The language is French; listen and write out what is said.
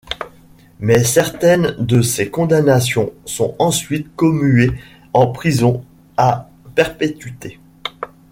Mais certaines de ces condamnations sont ensuite commuées en prison à perpétuité.